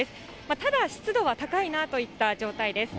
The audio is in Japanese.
ただ、湿度は高いなといった状態です。